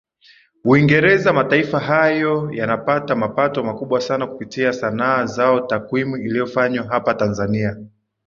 Uingereza mataifa hayo yanapata mapato makubwa sana kupitia sanaa zao Takwimu iliyofanywa hapa Tanzania